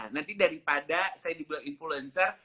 nanti daripada saya dibilang influencer